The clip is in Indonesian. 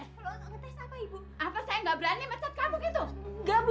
keluar itu lo butuh